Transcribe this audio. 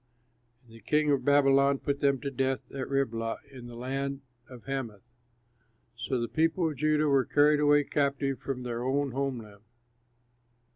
And the king of Babylon put them to death at Riblah in the land of Hamath. So the people of Judah were carried away captive from their own homeland.